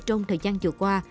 trong thời gian vừa qua